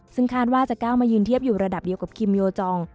ซึ่งคาดว่าจะก้าวมายืนเทียบอยู่ระดับเดียวกับคิมโยจอง